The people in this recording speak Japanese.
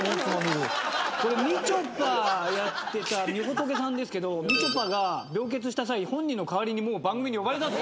これみちょぱやってたみほとけさんですけどみちょぱが病欠した際本人の代わりに番組に呼ばれたと。